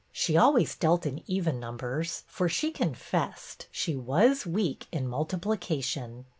She always dealt in even numbers, for she confessed she was weak in multiplication.